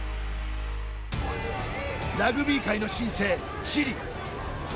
ラグビー界の新星、チリ。